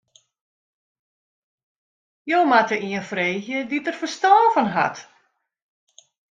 Jo moatte ien freegje dy't dêr ferstân fan hat.